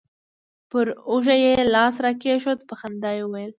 پر اوږه يې لاس راكښېښوو په خندا يې وويل.